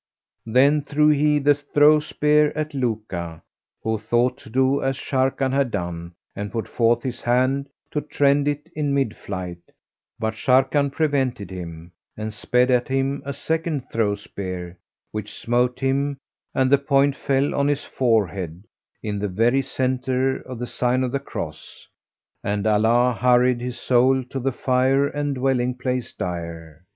Then threw he the throw spear at Luka, who thought to do as Sharrkan had done and put forth his hand to trend it in mid flight; but Sharrkan prevented him, and sped at him a second throw spear which smote him and the point fell on his forehead, in the very centre of the sign of the Cross, and Allah hurried his soul to the Fire and Dwelling place dire.